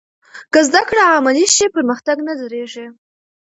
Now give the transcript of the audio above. که زده کړه عملي شي، پرمختګ نه درېږي.